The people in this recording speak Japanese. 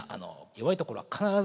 弱いところは必ずある。